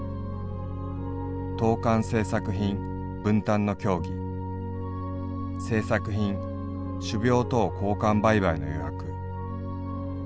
冬間製作品分担の協議製作品種苗等交換売買の予約持寄